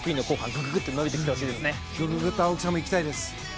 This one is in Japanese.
グググッと青木さんも行きたいです。